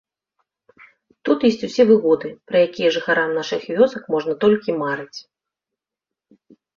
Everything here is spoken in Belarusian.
Тут ёсць усе выгоды, пра якія жыхарам нашых вёсак можна толькі марыць.